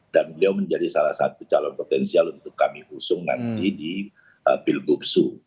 dan beliau menjadi salah satu calon potensial untuk kami usung nanti di pilgub su